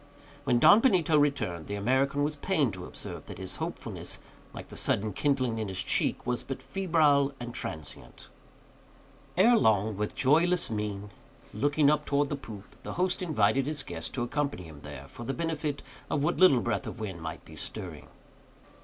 When Don Benito returned, the American was pained to observe that his hopefulness, like the sudden kindling in his cheek, was but febrile and transient. Ere long, with a joyless mien, looking up towards the poop, the host invited his guest to accompany him there, for the benefit of what little breath of wind might be stirring.